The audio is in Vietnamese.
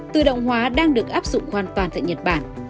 tự động hóa đang được áp dụng hoàn toàn tại nhật bản